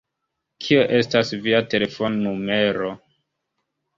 Kio estas via telefon-numero?